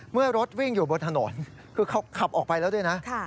เมื่อรถวิ่งอยู่บนถนนคือเขาขับออกไปแล้วด้วยนะ